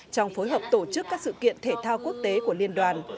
trong phối hợp tổ chức các sự kiện thể thao quốc tế của liên đoàn